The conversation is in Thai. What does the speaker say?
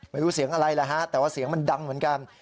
ไม่รู้เสียงอะไรแหละฮะแต่ว่าเสียงมันดังเหมือนกัน